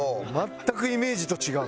全くイメージと違う。